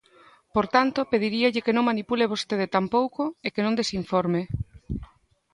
Por tanto, pediríalle que non manipule vostede tampouco, e que non desinforme.